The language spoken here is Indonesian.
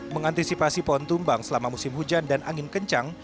mengantisipasi pohon tumbang selama musim hujan dan angin kencang